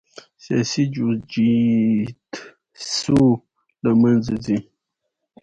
سیاسي جوجیتسو له منځه ځي.